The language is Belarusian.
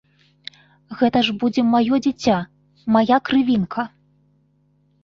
Гэта ж будзе маё дзіця, мая крывінка.